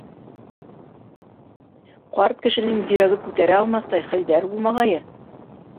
Ҡарт кешенең йөрәге күтәрә алмаҫтай хәлдәр булмағайы.